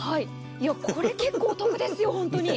これ、結構お得ですよ、本当に。